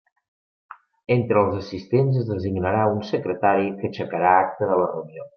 Entre els assistents es designarà un secretari que aixecarà acta de la reunió.